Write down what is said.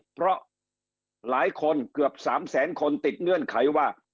เพราะหลายคนเกือบ๓แสนคนติดเงื่อนไขว่า